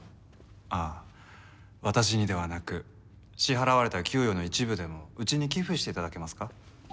あっ私にではなく支払われた給与の一部でもうちに寄付して頂けますか？